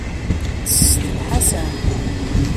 Sesten Ḥasan.